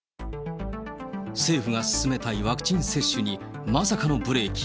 政府が進めたいワクチン接種に、まさかのブレーキ。